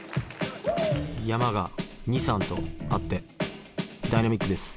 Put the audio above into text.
山が２３とあってダイナミックです。